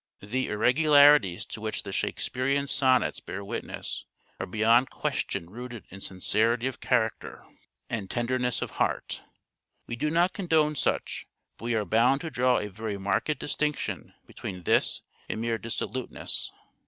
The irregularities to which the Shakespearean sonnets bear witness are beyond question rooted in sincerity of character and tender CONCLUSION 499 ness of heart. We do not condone such, but we are bound to draw a very marked distinction between this and mere dissoluteness.